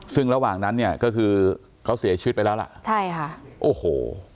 ซึ่งระหว่างนั้นเนี่ยก็คือเขาเสียชีวิตไปแล้วล่ะใช่ค่ะโอ้โห